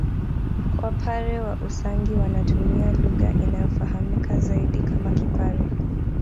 Wapare wa Usangi wanatumia lugha inayofahamika zaidi kama Kipare